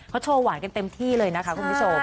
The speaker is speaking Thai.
เขาโชว์หวานกันเต็มที่เลยนะคะคุณผู้ชม